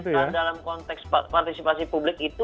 nah dalam konteks partisipasi publik itu